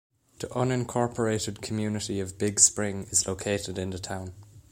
The unincorporated community of Big Spring is located in the town.